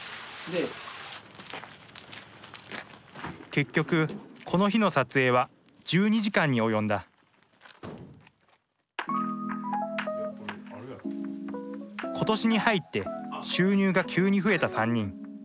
結局この日の撮影は１２時間に及んだ今年に入って収入が急に増えた３人。